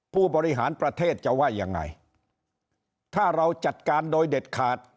ผู้บริหารประเทศจะว่ายังไงถ้าเราจัดการโดยเด็ดขาด